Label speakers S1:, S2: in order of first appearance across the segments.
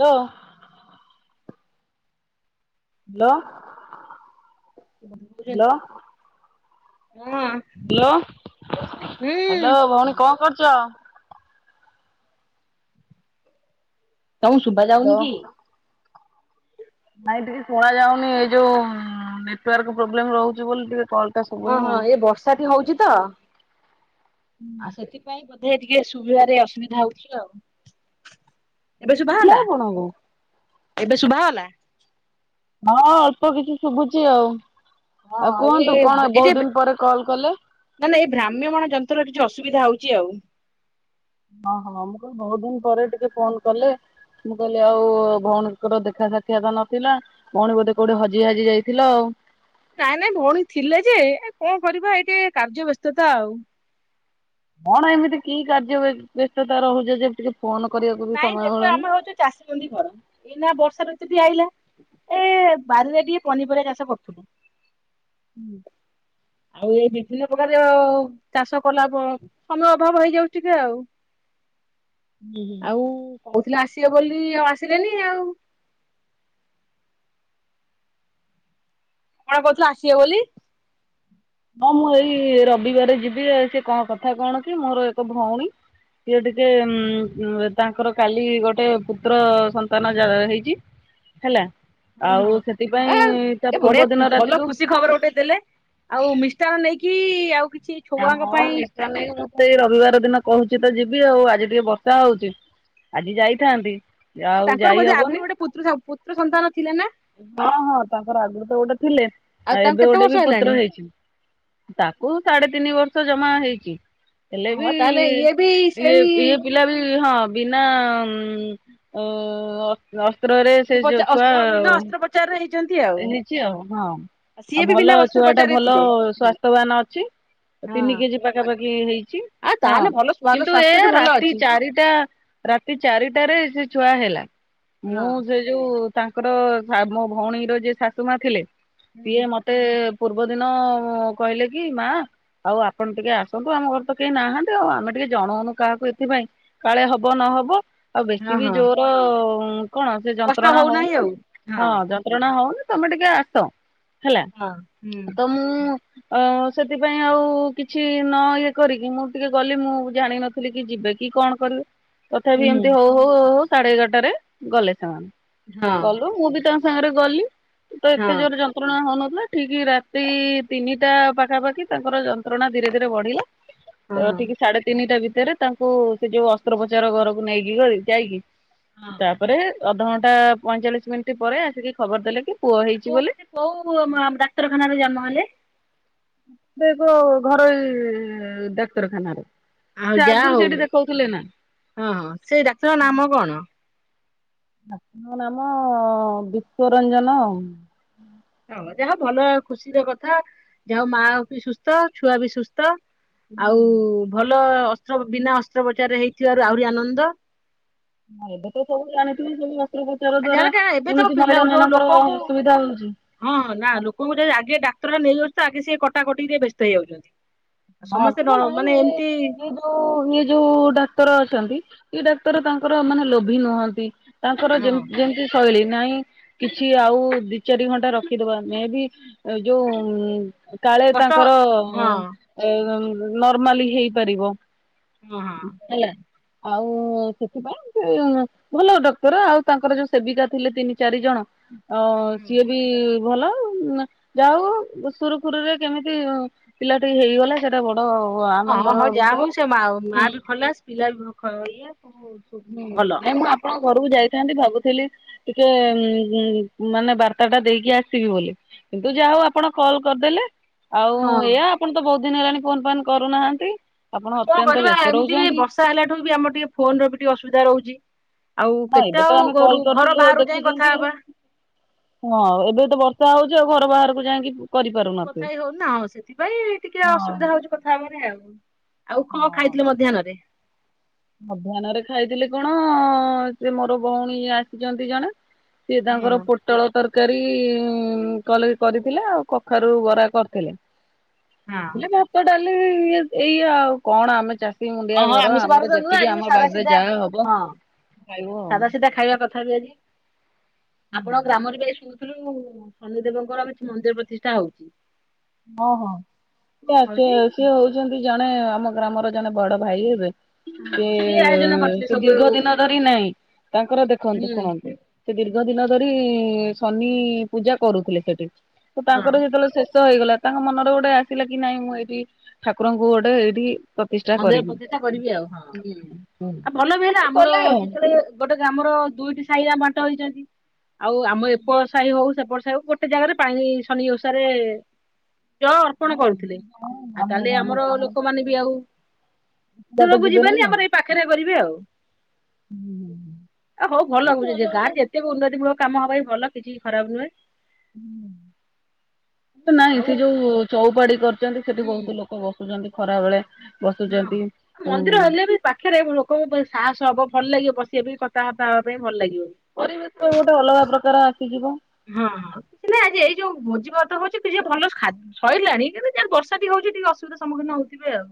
S1: Hello. Hello.
S2: [unintelligible] ହଁ।
S1: Hello. Hello
S2: ହୁଁ
S1: ଭଉଣୀ କଣ କରୁଚ?
S2: ତମକୁ ଶୁବା ଯାଉନି
S1: ହ୍ୟାଲୋ।
S2: କି?
S1: ନାଇଁ ଟିକେ ଶୁଣା ଯାଉନି। ଏଇ ଯୋଉ ନେଟୱାର୍କ ପ୍ରୋବ୍ଲେମ ରହୁଚି ବୋଲିି ଟିକେ କଲ୍
S2: ହଁ ହଁ ଏ ବର୍ଷା ବି ହଉଛି ତ? ଆଉ ସେଥିପାଇଁ ବୋଧେ ଟିକେ ଶୁଭିବାରେ ଅସୁବିଧା ହଉଛି ଆଉ? ଏବେ ଶୁଭା
S1: ଶୁଭିଲା
S2: ଗଲା
S1: ଆପଣଙ୍କୁ?
S2: ଏବେ ଶୁଭା ଗଲା?
S1: ହଁ ଅଳ୍ପ କିଛି ଶୁଭୁଛି ଆଉ,
S2: ହଁ
S1: ଆଉ
S2: ହଁ
S1: କୁହନ୍ତୁ କଣ ବହୁତ ଦିନ ପରେ କଲ୍ କଲେ?
S2: ନ ନା ଏଇ ଭ୍ରାମ୍ୟମାଣ ଯନ୍ତ୍ରର କିଛି ଅସୁବିଧା ହଉଛି ଆଉ?
S1: ହଁ ହଁ ମୁଁ କହିଲି ବହୁତ ଦିନ ପରେ ଟିକେ ଫୋନ କଲେ। ମୁଁ କହିଲି ଆଉ ଭଉଣୀଙ୍କର ଦେଖା ସାକ୍ଷିଆତ ନଥିଲା। ପୁଣି ବୋଧେ କୋଉଠି ହଜି ହାଜି ଯାଇଥିଲ ଆଉ?
S2: ନାଇଁ ନାଇଁ ଭଉଣୀ ଥିଲେ ଯେ କଣ କରିବା ଏଇ ଟେ କାର୍ଯ୍ୟ ବ୍ୟସ୍ତତା ଆଉ?
S1: କଣ ଏମିତି କି କାର୍ଯ୍ୟ ବ୍ୟସ୍ତତା ରହୁଛ ଯେ ଟିକେ ଫୋନ କରିବାକୁ ବି
S2: ନାଇଁ
S1: ସମୟ
S2: ଦେଖ ଆମେ
S1: ମିଳୁନି?
S2: ହଉଛୁ ଚାଷୀ ମଣ୍ଡି ଘର ଏଇନା ବର୍ଷା ଋତୁ ବି ଆଇଲା।
S1: [inaudible]
S2: ସେ ବାରିରେ ଟିକେ ପନିପରିବା ଚାଷ କରୁଥିଲୁ?
S1: ହୁଁ
S2: ଆଉ ଏ ବିଭିନ୍ନ ପ୍ରକାର ଚାଷ କଲା ସମୟ ଅଭାବ ହେଇଯାଉ ଟିକେ ଆଉ।
S1: ହୁଁ ହୁଁ
S2: ହ କହୁଥିଲି ଆସିବେ ବୋଲି ଆଉ ଆସିଲେନି ଆଉ? କଣ କହୁଥିଲ ଆସିବ ବୋଲି?
S1: ହଁ ମୁଁ ଏଇ ରବିବାର ଯିବି ସେ କଣ କଥା କଣ କି ମୋର ଏକ ଭଉଣୀ ସିଏ ଟିକେ ଉଁ ତାଙ୍କର କାଲି ଗୋଟେ ପୁତ୍ର ସନ୍ତାନ ଜ ହେଇଛି। ହେଲା
S2: ହ
S1: ଆଉ
S2: ହଁ,
S1: ସେଥିପାଇଁ ତା
S2: ଏଏ ବଢିଆ
S1: ପୂର୍ବ ଦିନ
S2: ଭଲ
S1: ରାତିରୁ
S2: ଖୁସି ଖବର ଗୋଟେ ଦେଲେ। ଆଉ ମିଷ୍ଟାନ ନେଇକି ଆଉ କିଛି ଛୁଆଙ୍କ
S1: ହଁ
S2: ପାଇଁ
S1: ନିଶା ନାଇଁ ମୁଁତ ଏଇ ରବିବାର ଦିନ କହୁଛି ତ ଯିବି ଆଉ ଆଜି ଟିକେ ବର୍ଷା ହଉଛି। ଆଜି ଯାଇଥାନ୍ତି। ଆଉ
S2: ତାଙ୍କର
S1: ଯାଇ
S2: ବୋଧେ
S1: ହବନି।
S2: ଆଗରୁ ଗୋଟେ ପୁତ୍ର ପୁତ୍ର ସନ୍ତାନ ଥିଲେ ନା!
S1: ହଁ ହଁ ତାଙ୍କର ଆଗରୁ ତ ଗୋଟେ ଥିଲେ ଆଉ
S2: ତାଙ୍କୁ
S1: ଏବେ
S2: କେତେ
S1: ଗୋଟେ
S2: ବର୍ଷ
S1: ବି
S2: ହେଲାଣି?
S1: ପୁତ୍ର ହେଇଛି। ତାକୁ ସାଢେ ତିନି ବର୍ଷ ଜମା ହେଇଛି ହେଲେ ବି
S2: ହଁ ତାହେଲେ ଇଏ ବି
S1: ଇଏ
S2: ସେଇ
S1: ଇଏ ପିଲା ବି ହଁ ବିନା ହୁଁ ଅ ଅସ୍ତ୍ରରେ ସେ ଯୋଉ ଛୁଆ
S2: ବିନା ଅସ୍ତ୍ରୋପଚାରରେ ହେଇଛନ୍ତି ଆଉ।
S1: ହେଇଛି ଆଉ, ହଁ। ଆଉ
S2: ସିଏ ବି ବିନା
S1: ଭଲ ଛୁଆ ଟା
S2: ଅସ୍ତ୍ରୋପଚାରରେ
S1: ଭଲ
S2: ଥିଲେ।
S1: ସ୍ୱାସ୍ଥ୍ୟବାନ ଅଛି। ତିନି
S2: ହଁ
S1: କେଜି ପାଖାପାଖି ହେଇଛି,
S2: ଆଉ
S1: ହଁ
S2: ତାହେଲେ ଭଲ ଭଲ
S1: କିନ୍ତୁ ଏଇଆ
S2: ସ୍ୱାସ୍ଥ୍ୟଟି ଭଲ
S1: ରାତି
S2: ଅଛି।
S1: ଚାରିଟା ରାତି ଚାରିଟାରେ ସେ ଛୁଆ ହେଲା, ମୁଁ
S2: ହଁ।
S1: ସେ ଯୋଉ ତାଙ୍କର ମୋ ଭଉଣୀର ଯିଏ ଶାଶୁ ମା ଥିଲେ ସିଏ ମତେ ପୂର୍ବ ଦିନ କହିଲେ କି ମା ଆଉ ଆପଣ ଟିକେ ଆସନ୍ତୁ ଆମ ଘର ତ କେହି ନାହାନ୍ତି ଆଉ ଆମେ ଟିକେ ଜଣଉନୁ କାହାକୁ ଏଥିପାଇଁ। କାଳେ ହବ ନହବ ଆଉ ବେଶୀ
S2: ହଁ
S1: ବି
S2: ହଁ
S1: ଜୋର କଣ ସେ
S2: କଷ୍ଟ
S1: ଯନ୍ତ୍ରଣା
S2: ହଉନାହିଁ
S1: ହଉନି
S2: ଆଉ
S1: ହଁ ଯ ନ୍ତ୍ରଣା ହଉନି ତମେ ଟିକେ ଆସ ହେଲା
S2: ହଁ ହୁଁ
S1: ତ ମୁଁ ଅ ସେଥିପାଇଁ ଆଉ କିଛି ନ ଇଏ କରିକି ମୁଁ ଟିକେ ଗଲି ମୁଁ ଜାଣିନ ଥିଲିକି ଯିବେ କି କଣ କରିବେ? ତଥାପି
S2: ହୁଁ
S1: ଏମିତି ହଉ ହଉ ହଉ ହଉ ସାଢେ ଏଗାରଟାରେ ଗଲେ ସେମାନେ।
S2: ହଁ
S1: ଗଲୁ ମୁଁ ବି ତ ତା ସାଙ୍ଗରେ ଗଲି ତ ଏତେ ଜୋରରେ ଯ
S2: ହଁ
S1: ଯନ୍ତ୍ରଣା ହଉନଥିଲା ଠିକ ରାତି ତିନିଟା ପାଖାପାଖି ତାଙ୍କର ଯନ୍ତ୍ରଣା ଧୀରେ ଧୀରେ ବଢିଲା। ତ
S2: ହଁ।
S1: ଠିକ ସାଢେ ତିନିଟା ଭିତରେ ତାଙ୍କୁ ସେ ଯୋଉ ଅସ୍ତ୍ରୋପଚାର ଘରକୁ ନେଇକି ଗଲି ଯାଇକି
S2: ହଁ
S1: ତାପରେ। ଅଧଘଣ୍ଟା ପଇଁଚାଳିଶ ମିନିଟ୍ ପରେ ଆସିକି ଖବର ଦେଲେ କି। ପୁଅ ହେଇଛି
S2: କୋଉ
S1: ବୋଲି।
S2: ସେ କୋଉ ମ ଆମ୍ ଡାକ୍ତରଖାନାରେ ଜନ୍ମ ହେଲେ।
S1: ସେ ଏକ ଘରୋଇ ଡାକ୍ତରଖାନାରେ। ସେ
S2: ଆଉ ଯାହା
S1: ଆଗରୁ
S2: ହଉ
S1: ସେଇଠି ଦେଖଉଥିଲେ ନା।
S2: ହଁ ସେଇ ଡାକ୍ତରଙ୍କ ନାମ କଣ।
S1: ଡାକ୍ତରଙ୍କ ନାମ ବିଶ୍ୱ ରଞ୍ଜନ।
S2: ଭଲ ଯାହା ହଉ ଭଲ ଖୁସିର କଥା ଯାହା ହଉ ମା ବି ସୁସ୍ଥ ଛୁଆ ବି ସୁସ୍ ସ୍ଥ ଆଉ ଭଲ ଅସ୍ତ୍ର ବିନା ଅସ୍ତ୍ରୋପଚାର ରେ ହେଇଥିବାରୁ ଆହୁରି ଆନନ୍ଦ।
S1: ଆଉ ଏବେ ତ ସବୁ ଜାଣି ଥିବେ ସବୁ। ଅସ୍ତ୍ରୋପଚାର
S2: ଆ
S1: ଦ୍ଵାରା
S2: ଯାହାହେଲେ କାରଣ ଏବେ ତ
S1: କେମିତି
S2: ପିଲା
S1: ମହିଳା
S2: ଯୋଉ
S1: ମାନଙ୍କର
S2: ଲୋକଙ୍କୁ
S1: ଅସୁବିଧା ହଉଛି।
S2: ହଁ ହଁ ନା ଲୋକଙ୍କୁ ଯଦି ଆଗେ ଡାକ୍ତରଖାନା ନେଇ ଯାଉଛ ତ ଆଗେ ସିଏ କଟାକଟିରେ ବ୍ୟସ୍ତ ହେଇଯାଉଛନ୍ତି। ସମସ୍ତେ ନ ମାନେ ଏମିତି।
S1: ତ ଇଏ ଯୋଉ ଡାକ୍ତର ଅଛନ୍ତି ଇଏ ଡାକ୍ତର ତାଙ୍କର ମାନେ ଲୋଭି ନୁହନ୍ତି। ତାଙ୍କର ଯେମ
S2: ହଁ
S1: ଯେମିତି ଶୈଳୀ ନାଇଁ କିଛି ଆଉ ଦି ଚାରି ଘଣ୍ଟା ରଖିଦବା ମେ ବି। ଏ ଯୋଉ ଉଁ। କାଳେ
S2: କଷ୍ଟ
S1: ତାଙ୍କର
S2: ହଁ
S1: ଏ ନର୍ମାଲି ହେଇପାରିବ।
S2: ହଁ ହଁ।
S1: ହେଲା ଆଉ ସେଥିପାଇଁ। ଭଲ ଡକ୍ଟର ଆଉ ତାଙ୍କର ଯୋଉ ସେବିକା ଥିଲେ ତିନି ଚାରି ଜଣ। ଅ
S2: ହୁଁ ହୁଁ।
S1: ସିଏ ବି ଭଲ। ଯା ହଉ ସୁରୁ ଖୁରୁରେ କେମିତି ପିଲାଟି ହେଇଗଲା। କଲେ ସେଇଟା ବଡ ଆ
S2: ହଁଁ ହଁ ଯାହା ହଉ ସେ ମା ମା ବି ଖଲାସ ପିଲା ବି ଇଏ। ସବୁ
S1: ହୁଁ
S2: ଭଲ।
S1: ନାଇ ମୁଁ ଆପଣଙ୍କ ଘରକୁ ଯାଇଥାନ୍ତି ଭାବୁଥିଲି। ଟିକେ ଉଁ ଉଁ ମାନେ ବାର୍ତ୍ତାଟା ଦେଇକି ଆସିବି ବୋଲି। କିନ୍ତୁ ଯାହା ହଉ ଆପଣ କଲ୍ କରିଦେଲେ। ଆଉ
S2: ହଁ
S1: ଏଆ ଆପଣ ତ ବହୁତ ଦିନ ହେଲାଣି ଫୋନ୍ ଫାନ୍ କରୁନାହାନ୍ତି। ଆପଣ ଅତ୍ୟନ୍ତ ବ୍ୟସ୍ତ ରହୁଛନ୍ତି।
S2: ଫାଙ୍କା ହେଲାଠୁ ବି ଆମର ଟିକେ ଫୋନର ବି ଟିକେ ଅସୁବିଧା ରହୁଛି। ଆଉ
S1: ହଁ
S2: କେତେ
S1: ଏବେ ତ
S2: ଆଉ
S1: ଆମେ କଲ୍
S2: ଘରୁ ଘର
S1: କରିଥିଲୁ ଆଉ
S2: ବାହାରୁ ଯାଇଁ
S1: ଦେଖୁଛନ୍ତି
S2: କଥା
S1: ଆଉ
S2: ହବା।
S1: ହଁ ଏବେ ତ ବର୍ଷା ହଉଛି ଆଉ ଘର ବାହାରକୁ ଯାଇଁ କି
S2: କଥା ହେଇ ହଉନି ନା ହଁ ସେଥିପାଇଁ ଟିକେ
S1: ହଁ।
S2: ଅସୁବିଧା ହଉଛି କଥା ହବାରେ ଆଉ। ଆଉ କଁ
S1: ହଁ
S2: ଖାଇଥିଲେ ମଧ୍ୟାହ୍ନରେ।
S1: ମଧ୍ୟାହ୍ନରେ ଖାଇଥିଲି କଣ ସେ ମୋର ଭଉଣୀ ଆସିଛନ୍ତି ଜଣେ। ସିଏ ତାଙ୍କର
S2: ହଁ
S1: ପୋଟ୍ ପୋଟଳ ତରକାରୀ ଉଁ କଲେ କରିଥିଲା ଆଉ କଖାରୁ ବରା କରିଥିଲେ।
S2: ହଁ
S1: ହେଲେ ଭାତ ଡାଲି ଇଏ ଏଇଆ ଆଉ କଣ ଆମେ ଚାଷୀ ମୁଲିଆ
S2: ଓହୋ
S1: ଘର
S2: ଆମିଷ ବାର
S1: ଆମର
S2: ତ
S1: ଯେ
S2: ନୁହେଁ
S1: ତିକି
S2: ଆଜି
S1: ଆମ
S2: ସାଧା
S1: ବାଡିରେ
S2: ସିଧା
S1: ଯାହା ହବ ଖାଇବୁ ଆଉ।
S2: କଥାରୁ ଆଜି ଆପଣଙ୍କ‌ ଗ୍ରାମରେ ବି ଆଜି ସୁ ମୁଢ଼ି ଥିଲୁ ଶନି ଦବଙ୍କର ଆଉ ଏଠି ମନ୍ଦିର ପ୍ରତିଷ୍ଠା ହଉଛି।
S1: ହଁ ହଁ ସିଏ
S2: ହଉଛି
S1: ଆକ୍ଚୁଏ ସିଏ ହେଉଛନ୍ତି ଜଣେ ଆମ ଗ୍ରାମର ଜଣେ ବଡ ଭାଇ ହେବେ।
S2: ହଁ
S1: ସେ
S2: ସିଏ ଆୟୋଜନ କରିଥିଲେ
S1: ସେ
S2: ସବୁ
S1: ଦୀର୍ଘ ଦିନ ଧରି ନାହିଁ ତାଙ୍କର ଦେଖନ୍ତୁ
S2: ହୁଁ।
S1: ଶୁଣନ୍ତୁ। ସେ ଦୀର୍ଘ ଦିନ ଧରି ଶନି ପୂଜା କରୁଥିଲେ ସେଠି ତ
S2: ହଁ
S1: ତାଙ୍କର ଯେତେବେଳେ। ସେସ ହେଇଗଲା। ତାଙ୍କ ମନରେ ଗୋଟେ ଆସିଲା କି ନାଇଁ ମୁଁ ଏଇଠି ଠାକୁରଙ୍କୁ ଗୋଟେ ଏଇଠି। ପ୍ରତିଷ୍ଠା
S2: ମନ୍ଦିର
S1: କରିବି।
S2: ପ୍ରତିଷ୍ଠା କରିବି ଆଉ ହଁ ଆଉ ଭଲ ବି ହେଲା ଆମର
S1: କଲେ ଆଉ
S2: ଯେତେବେଳେ। ଗୋଟେ ଗ୍ରାମର ଦୁଇଟି ସାହିରେ ଆମେ ବାଣ୍ଟ ହେଇଛନ୍ତି ଆଉ ଆମ ଏପଟ ସାହି ହଉ। ବର୍ଷାକୁ ଗୋଟେ ଜାଗାରେ ପାଣି ଶନି ଓଷାରେ ଜ ଅର୍ପଣ କରୁଥିଲେ
S1: ଆମ
S2: ଆ
S1: ଆମ
S2: ତାହେଲେ ଆମର
S1: ଗ୍ରାମର
S2: ଲୋକମାନେ ବି ଆଉ
S1: ବାଟ
S2: ଦୂରକୁ ଯିବେନି
S1: ଆଉ।
S2: ଆମର ଏଇ ପାଖରେ କରିବେ ଆଉ। ହ ହଉ ଭଲ ଲାଗୁନି ଯେ ଗାଁରେ ଜେ ଯେତେବି ଉନ୍ନତି ମୂଳକ କାମହବ ବି ଭଲ କିଛି ଖରାପ ନୁହେଁ।
S1: ତ ନାଇଁ
S2: ଆଉ
S1: ସେ ଯୋଉ ଚଉପାଡି କରୁଛନ୍ତି ସେଠି
S2: ହୁଁ
S1: ବହୁତ ଲୋକ ବସୁ ବସୁଛନ୍ତି ଖରା ବେଳେ। ବସୁଛନ୍ତି
S2: ହଁ
S1: ଉଁ
S2: ମନ୍ଦିର ହେଲେ ବି ପାଖରେ ଲୋକଙ୍କ ପାଇଁ ସାହସ ହବ ଭଲ ଲାଗିବ ବସିବା ପାଇଁ କଥାବାର୍ତ୍ତା ହବା ପାଇଁ ଭଲ ଲାଗିବ।
S1: ପରିବେଶ ଗୋଟେ ଅଲଗା ପ୍ରକାର ଆସିଯିବ।
S2: ହଁ କିଛି ନାଇଁ ଆଜି ଏଇ ଯୋଉ ଭୋଜି ଭାତ ହଉଛି କିଛି ଭଲ ଖାଦ ସଇଲାଣି କିନ୍ତୁ ଯା ବର୍ଷା ଟିକେ ହଉଛି ଟିକେ ଅସୁବିଧା ସମୁଁଖୀନ ହଉଥିବେ ଆଉ।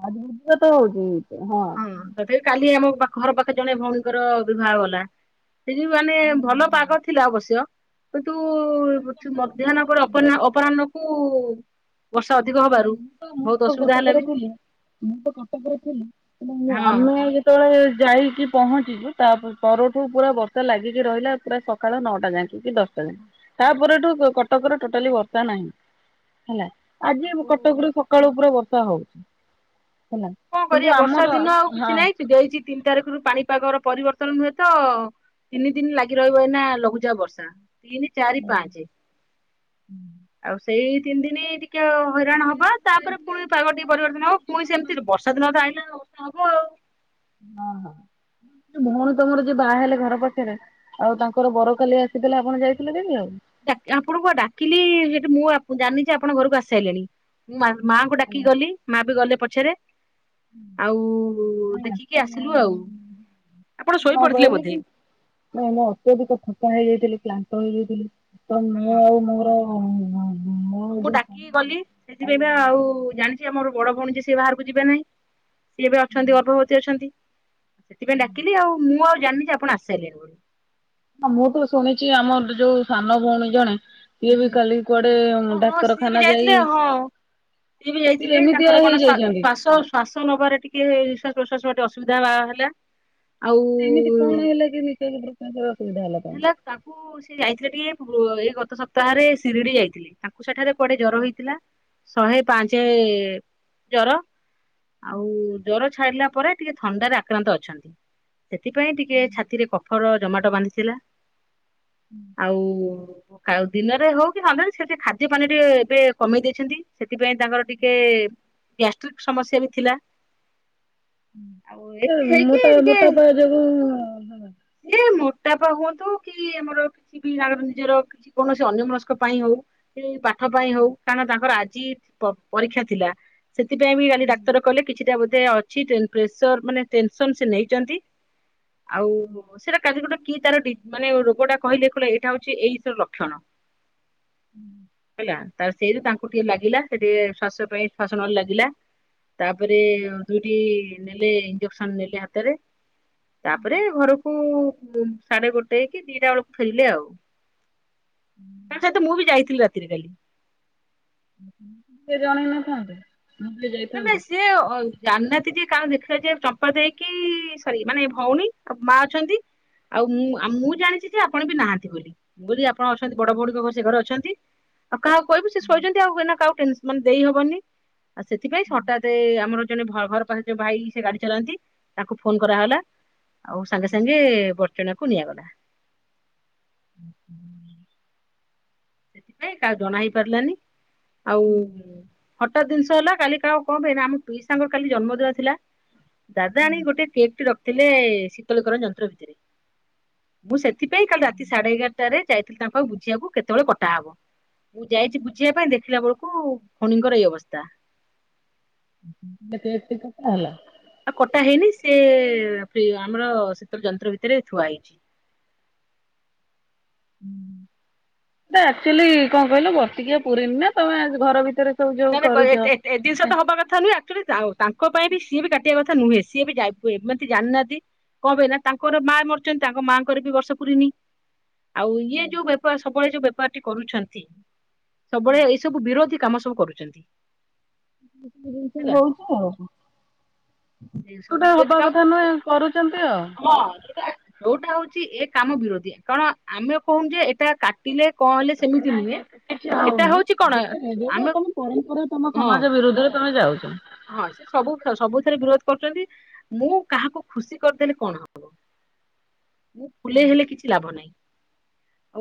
S1: ହଁ ଆଜି ବିଜତ ହଉଛି ହଁ।
S2: ହଁ ତଥାପି କାଲି ଆମ ପା ଘର ପାଖ ଜଣେ ଭଉଣୀଙ୍କର ବିବାହ ହେଲା। ସେ ଯେଉ ଆମେ ଭଲ ପାଗ ଥିଲା ଅବଶ୍ୟ କିନ୍ତୁ ମଧ୍ୟାହ୍ନ ପରେ ଅପନ୍ନା ଅପ ଅପରାହ୍ନକୁ ବର୍ଷା ଅଧିକ
S1: ନାଇଁ
S2: ହବାରୁ
S1: ମୁଁ
S2: ବହୁତୁ
S1: ତ
S2: ଅସୁବିଧା ହେଲା
S1: କଟକରେ
S2: ବି।
S1: ଥିଲି ମୁଁ ତ କଟକରେ ଥିଲିଁ କିନ୍ତୁ ମୁଁ
S2: ହଁ
S1: ଅନେଇଲି ଯେତେବେଳେ ଯାଇକି ପହଞ୍ଚିଛୁ ତା ପରଠୁ ପୁରା ବର୍ଷା ଲାଗିକି ରହିଲା ପୁରା ସକାଳ ନଅଟା ଯାଏ। ରାତି ଦଶଟା ଯାଏ ତାପରେ ଠୁ କଟକରେ ଟୋଟାଲି ବର୍ଷା ନାହିଁ ହେଲା। ଆଜି ଆମ
S2: ଆଉ
S1: କଟକରୁ ସକାଳୁ ପୁରା ବର୍ଷା ହଉଚି ହେଲା।
S2: କଣ
S1: କିନ୍ତୁ
S2: କରିବା ବର୍ଷା
S1: ଆମର
S2: ଦିନ ଆଉ କିଛି ନାଇଁ
S1: ହଁ।
S2: ସେ ଦେଇଛି ତିନି ତାରିଖରୁ ପାଣିପାଗର ପରିବର୍ତ୍ତନ ନୁହେଁ ତ ତିନି ଦିନି ଲାଗି ରହିବ ଏଇନା ଲଘୁଚାପ ବର୍ଷା। ତିନି ଚାରି ପାଞ୍ଚେ ଆଉ ସେଇ ତିନି ଦିନ ଟିକେ ଆଉ ହଇରାଣ
S1: କାଲି
S2: ହବା
S1: ଆପଣ
S2: ତାପରେ
S1: ଯାଇଥିଲେ ଏଇ
S2: ପୁଣି ପାଗ ଟିକେ ପରିବର୍ତନ ହେବ ପୁଣି
S1: ଯୋଉ ହଁ
S2: ସେମିତି ବର୍ଷା ଦିନ ତ ଆଇିଲା ସେମିତି ହବ ଆଉ।
S1: ଓହୋ ଭଉଣୀ ତମର ଯିଏ ବାହା ହେଲେ ଘର ପାଖେରେ ଆଉ ତାଙ୍କର ବର କାଲି ଆସିଥିଲା ଆପଣ ଯାଇଥିଲେ ଦେଖିବାକୁ।
S2: ଡା ଆପଣଙ୍କୁ ପା ଡାକିଲି ସେଠି ମୁଁ ଜାଣିନି ଯେ ଆପଣ ଘରକୁ ଆସିଶାଇଲେଣି। ମୁଁ ମାଙ୍କୁ ଡାକିକି ଗଲି ମା ବି ଗଲେ ପଛରେ। ଆଉ ଦେଖିକି ଆସିଲୁ ଆଉ ଆପଣ ଶୋଇପଡିଥିଲେ ବୋଧେ?
S1: ନାଇଁ ମୋ ଅତ୍ୟଧିକ ଥକା ହେଇଯାଇଥିଲି କ୍ଳାନ୍ତ ହେଇଯାଇଥିଲି ତ ମୁଁ ଆଉ ମୋର ମୋ
S2: ହଁ ମୁଁ
S1: ଯୋଉ ସ୍ୱାମୀ
S2: ଡାକିକି ଗଲି ସେଥିପାଇଁ ପା ଆଉ ଜାଣିଛି ଆମର ବଡ ଭଉଣୀ ଯେ ସେ ବାହାରକୁ ଯିବେ ନାହିଁ। ସିଏ ଏବେ ଅଛନ୍ତି ଗର୍ଭବତୀ ଅଛନ୍ତି ସେଥିପାଇଁ ଡାକିଲି ଆଉ ମୁଁ ଆଉ ଜାଣିନି ଜେ ଆପଣ ଆସାରିଲେଣି।
S1: ହଁ ମୁଁ ତ ଶୁଣିଛି ଆମର ଯୋଉ ସାନ ଭଉଣୀ ଜଣେ ସିଏ ବି
S2: ହୁଁ
S1: କାଲି କୁଆଡେ
S2: ହଁ ହଁ ସିଏ ବି
S1: ଡାକ୍ତରଖାନା ଯାଇ
S2: ଯାଇଥିଲେ ହଁ ସିଏ ବି
S1: ସେ
S2: ଯାଇଥିଲେ
S1: ଏମିତିଆ
S2: ତାଙ୍କର କଣ ସ୍ଵା
S1: ହେଇଯାଇଛନ୍ତି।
S2: ଶ୍ୱାସ ଶ୍ୱାସ ନବାରେ ଟିକେ ନିଶ୍ୱାସ ପ୍ରଶ୍ୱାସ ବାଟେ ଅସୁବିଧା ହେଲା ଆଉ
S1: କେମିତି କଣ ହେଲା କି ନିଶ୍ୱାସ ପତ୍ର ପାଇଁ ଅସୁବିଧା ହେଲା ତମର?
S2: ତାକୁ ସେଇ ଯାଇଥିଲେ ଟିକେ ଏଇ ଗତ ସପ୍ତାହରେ ସିରିଡି ଯାଇଥିଲେ। ତାଙ୍କୁ ସେଠାରେ କୁଆଡେ ଜର ହେଇଥିଲା ଶହେ ପାଞ୍ଚେ ଜର। ଆଉ ଜର ଛାଡିଲା ପରେ ଟିକେ ଥଣ୍ଡାରେ ଆକ୍ରାନ୍ତ ଅଛନ୍ତି। ସେଥିପାଇଁ ଟିକେ ଛାତିରେ କଫର ଜମାଟ ବାନ୍ଧିଥିଲା।
S1: ହୁଁ [inaudible]
S2: ହୋଉ ଆଉ ଦିନରେ ହଉ କି ସନ୍ଧ୍ୟା ରେ ସେଟିକେ ଖାଦ୍ୟ ପାନିଅ ଏବେ ଟିକେ କମେଇ ଦେଇଛନ୍ତି। ସେଥିପାଇଁ ତାଙ୍କର ଟିକେ ଗ୍ୟାଷ୍ଟ୍ରିକି ସମସ୍ୟା ବି ଥିଲା। ଆଉ ଏମିତି
S1: ମୁଁ
S2: ହେଇକି
S1: ତ ମୋଟା ପାଏ ଯୋଗୁ।
S2: ଏ ମୋଟାପା ହୁଅନ୍ତୁ କି ଆମର କି ବି ନିଜର କିଛି ଅନ୍ୟ ମନକ୍ସ ପାଇଁ ହଉ। ପାଠ ପାଇଁ ହଉ କାରଣ ତାଙ୍କର ଆଜି ପ ପରୀକ୍ଷା ଥିଲା ସେଥିପାଇଁ ବି କାଲି ଡାକ୍ତର। କଲେ କିଛିଟା ବୋଧେ ଅଛି ପ୍ରେସର ମାନେ ଟେନସନ ସେ ନେଇଛନ୍ତି ଆଉ ସେଟା କାଲି କି ଗୋଟ କି ତାର ମାନେ ରୋଗ ଟା କହିଲେ କଲେ ଏଇଟା ହଉଛି ଏଇ ଲକ୍ଷଣ। ହେଲା। ତା ସେଇରେ ତାଙ୍କୁ ଟିକେ ଲାଗିଲା ସେ ଟିକେ ଶ୍ଵାସ ପାଇଁ ଶ୍ଵାସନରେ ଲାଗିଲା ତାପରେ ଦୁଇଟି ନେଲେ ଇଞ୍ଜେକ୍ସନ ନେଲେ ହାତରେ ତାପରେ ଘରକୁ ମୁଁ ସାଢେ ଗୋଟେ କି ଦିଟା ବେଳକୁ ଫେରିଲେ ଆଉ। ତା ସହିତ ମୁଁ ବି ଯାଇଥିଲି ରାତିରେ କାଲି।
S1: ସେ ଜଣେ ଜଣେ ଥାନ୍ତି।
S2: ନାଇଁ ନାଇଁ ସେ ଅଲ ଜାଣିନାହାନ୍ତି ଯେ କାରଣ ଦେଖିଲ ଯେ ଚମ୍ପା ଦେଇକି ସରି ମାନେ ଭଉଣୀ ମା ଅଛନ୍ତି। ଆଉ ମୁଁ ମୁଁ ଜାଣିଛି ଯେ ଆପଣ ବି ନାହାନ୍ତି ବୋଲି ବୁ ଆପଣ ଅଛନ୍ତି ବଡ ଭଉଣୀଙ୍କ ସେ ଘରେ ଅଛନ୍ତି। ଆଉ କାହା କହିବି ସେ ଶୋଇଛନ୍ତି ଆଉ ଟ ମାନ ଦେଇହବନି। ସେଥିପାଇଁ ହଠାତ ଆମର ଜଣେ ଘର ଘର ଯୋ ଭାଇ ସେ ଗାଡି ଚଲାନ୍ତି ତାଙ୍କୁ ଫୋନ କରାହେଲା। ଆଉ ସାଙ୍ଗେ ସାଙ୍ଗେ ବର୍ଚ୍ଚନା କୁ ନିଆଗଲା।
S1: ହ
S2: ସେଥିପାଇଁ କାହା ଜଣା ହେଇ ପାରିଲାନି ଆଉ ହଠାତ୍ ଜିନିଷ ହେଲା କାଲି କାହା କଣ ପାଇଁନା ଆମ ପିଇ ସାଙ୍ଗର କାଲି ଜନ୍ମଦିନ ଥିଲା। ଦାଦା ଆଣି ଗୋଟେ କେକେ ଟେ ରଖିଥିଲେ ଶୀତଳୀକରଣ ଯନ୍ତ୍ର ଭିତରେ। ମୁଁ ସେଥିପାଇଁ କାଲି ରାତି ସାଢେ ଏଗାରଟାରେ ଯାଇଥିଲି ତାଙ୍କ ବୁଝିବାକୁ କେତେବେଳେ କ କଟାହବ ମୁଁ ଯାଇଛି ବୁଝିବା ପାଇଁ ଦେଖିଲା ବେଳକୁ ଖୁଡିଙ୍କର ଏଇ ଅବସ୍ଥା।
S1: କେତେ ରାତି କଥା ହେଲା?
S2: ଆଉ କଟା ହେଇନି ସେ ଆମର ଶୀତ ଯନ୍ତ୍ର ଭିତରେ ଥୁଆ ହେଇଛି।
S1: ଟ ଆଚୁଆଲି କଣ କହିଲୁ ବାର୍ଷିକୀୟ ପୂରିନିନା ତମେ ଘର ଭିତରେ ସବୁ ଯୋଉ
S2: ନା ନା
S1: କରୁଛ ହଉଛି
S2: କରେଣ୍ଟ ଏ ଜିନିଷ ତ ହବା କଥା ନୁହେଁ ଆକ୍ଚୁଆଲି ତାଙ୍କ ପାଇଁ ବି ସିଏ ବି କାଟିବା କଥା ନୁହେଁ ସିଏ ବି ଯାଇ ଏମିତି ଜାଣିନାହାନ୍ତି। କଣ ପାଇଁ ନାଁ ତାଙ୍କର ମା ମରିଛନ୍ତି ତାଙ୍କ ମାଆଙ୍କର ବି ବର୍ଷ ପୁରିନି। ଆଉ ଇଏ ଯୋଉ ବେପାର ସବୁବେଳେ ଯୋଉ ବେପାର ଟି କରୁଛନ୍ତି ସବୁବେଳେ ଏଇ ସବୁ ବିରୋଧୀ କାମ ସବୁ କରୁଛନ୍ତି।
S1: କିଛି ଜିନିଷ
S2: ହେଲା
S1: ହୋଉଛି ଆଉ।
S2: ସେ ସବୁ
S1: ଯୋଉଟା
S2: ବିରୋଧୀ
S1: ହବା
S2: କାମ
S1: କଥା ନୁହେଁ କରୁଛନ୍ତି ଆଉ।
S2: ହଁ ଆ ଯୋଉଟା ହଉଛି ଏ କାମ ବିରୋଧୀ କାରଣ ଆମେ କହୁନୁ ଯେ ଏଇଟା ଥିଲେ କଣ ହେଲେ ସେମିତି
S1: ନାଇଁ
S2: ନୁହେଁ
S1: ନାଇଁ କିଛି
S2: ଏଟା
S1: ହଉନି।
S2: ହଉଛି କଣ ଆମେ
S1: [inaudible] ତମ
S2: ହଁ
S1: ସମାଜ ବିରରୁଦ୍ଧରେ ତମେ ଯାଉଛ।
S2: ହଁ ସେ ସବୁ ସବୁଥିଥରେ ବିରୋଧ କରୁଛନ୍ତି ମୁଁ କାହାକୁ ଖୁସି କରିଦେଲି କଣ ହବ? ମୁଁ ଫୁଲେଇ ହେଲେ କିଛି ଲାଭ ନାହିଁ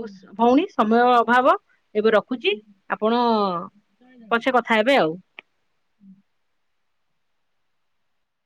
S2: ଆଉ ଭଉଣୀ ସମୟ ଅଭାବ ଏବେ ରଖ। ରଖୁଛି ଆପଣ ପଛେ କଥା ହେବେ ଆଉ।